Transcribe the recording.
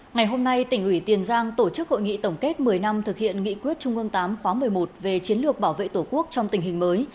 ngày hôm nay tỉnh ủy tiền giang tổ chức hội nghị tổng kết một mươi năm thực hiện nghị quyết trung ương tám khóa một mươi một về chiến lược bảo vệ tổ quốc trong tình hình mới